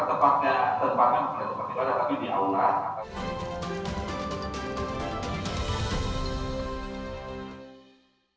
tempatnya tempatnya tetapi dia uang